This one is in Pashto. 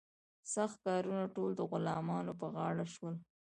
سخت کارونه ټول د غلامانو په غاړه شول.